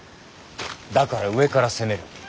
だから上から攻める。